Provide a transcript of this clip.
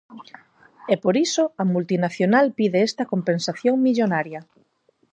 E por iso, a multinacional pide esta compensación millonaria.